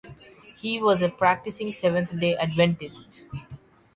He was a practicing Seventh-day Adventist.